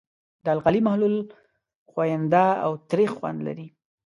د القلي محلول ښوینده او تریخ خوند لري.